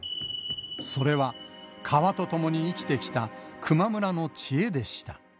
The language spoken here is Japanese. それは川と共に生きてきた球磨村の知恵でした。